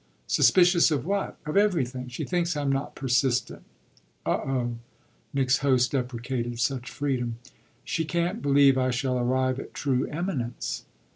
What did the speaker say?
"Suspicious of what?" "Of everything. She thinks I'm not persistent." "Oh, oh!" Nick's host deprecated such freedom. "She can't believe I shall arrive at true eminence."